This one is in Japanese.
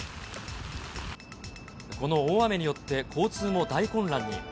この大雨によって交通も大混乱に。